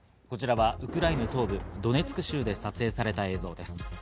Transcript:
こちらはウクライナ東部ドネツク州で撮影された映像です。